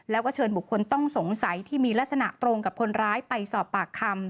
แล้วก็เชิญบุคคลต้องสงสัยที่มีลักษณะตรงกับคนร้ายไปสอบปากคำ